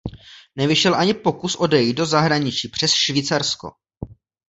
Nevyšel ani pokus odejít do zahraničí přes Švýcarsko.